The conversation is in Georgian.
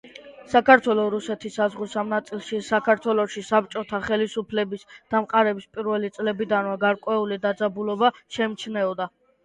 საქართველო-რუსეთის საზღვრის ამ ნაწილში საქართველოში საბჭოთა ხელისუფლების დამყარების პირველი წლებიდანვე გარკვეული დაძაბულობა შეიმჩნეოდა.